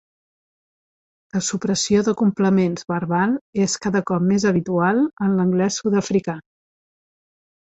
La supressió de complements verbal és cada cop més habitual en l'anglès sud-africà.